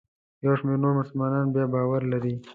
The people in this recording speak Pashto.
یو شمېر نور مسلمانان بیا باور لري.